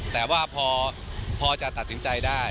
แต่ว่าพอจะตัดสินใจได้